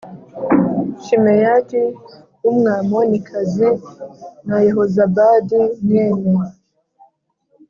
Shimeyati w Umwamonikazi na Yehozabadi mwene